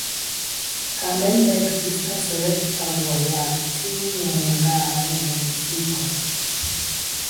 Tamen ne ekzistas rekta vojo al tiuj hungaraj municipoj.